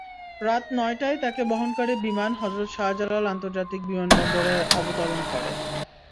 রাত নয়টায় তাঁকে বহনকারী বিমান হজরত শাহজালাল আন্তর্জাতিক বিমানবন্দরে অবতরণ করে।